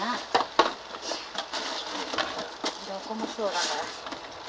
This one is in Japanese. どこもそうだから。